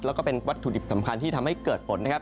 แล้วก็เป็นวัตถุดิบสำคัญที่ทำให้เกิดฝนนะครับ